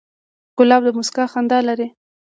ګلاب د موسکا خندا لري.